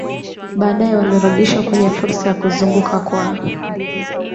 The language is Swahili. baadaye walirudishwa kwenye fursa ya kuzunguka kwa